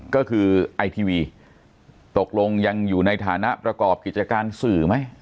ก็คือไอทีวีตกลงยังอยู่ในฐานะประกอบกิจการสื่อไหม